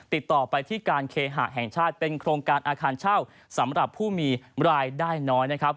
ติดต่อไปที่การเคหะแห่งชาติเป็นโครงการอาคารเช่าสำหรับผู้มีรายได้น้อยนะครับ